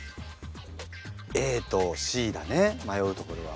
ＡとＣだね迷うところは。